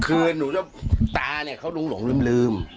คือหนูจะตาเนี่ยเขาลงหลงลืม